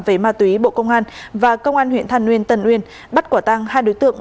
về ma túy bộ công an và công an huyện than uyên tân uyên bắt quả tăng hai đối tượng